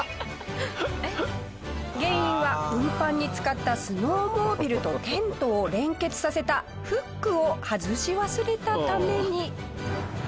原因は運搬に使ったスノーモービルとテントを連結させたフックを外し忘れたために。